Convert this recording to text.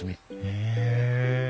へえ。